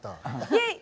イエイ。